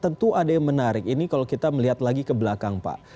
tentu ada yang menarik ini kalau kita melihat lagi ke belakang pak